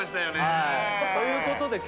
はい